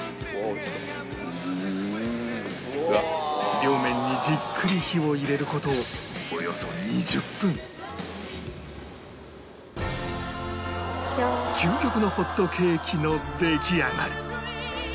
両面にじっくり火を入れる事究極のホットケーキの出来上がり！